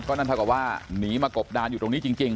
นั่นเท่ากับว่าหนีมากบดานอยู่ตรงนี้จริง